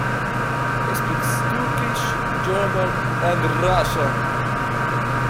He speaks Turkish, German and Russian.